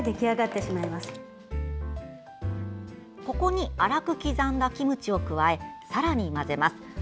ここに粗く刻んだキムチを加えさらに混ぜます。